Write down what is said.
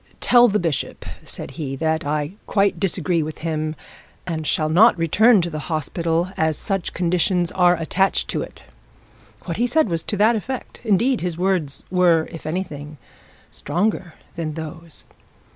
"Tell the bishop," said he, "that I quite disagree with him, and shall not return to the hospital as such conditions are attached to it." What he said was to that effect; indeed, his words were, if anything, stronger than those.